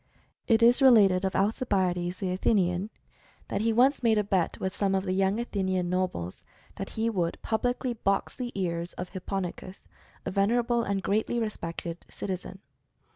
It is related of Alcibiades, the Athenian, that he once made a bet with some of the young Athenian nobles, that he would publicly box the ears of Hip ponikos, a venerable and greatly respected citizen.